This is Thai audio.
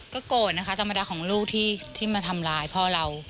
ก็โกรธนะคะธรรมดาของลูกที่มาทำร้ายพ่อเรา